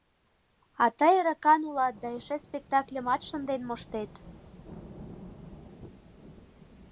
А тый эрыкан улат да эше спектакльымат шынден моштет.